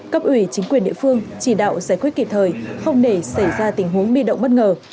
cấp ủy chính quyền địa phương chỉ đạo giải quyết kịp thời không để xảy ra tình huống bị động bất ngờ